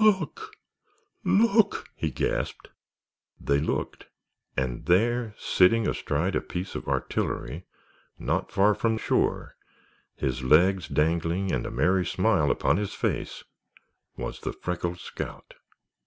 "Look—look!" he gasped. They looked, and there, sitting astride a piece of artillery not far from shore, his legs dangling and a merry smile upon his face, was the freckled scout!